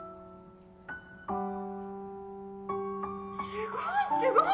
すごいすごい！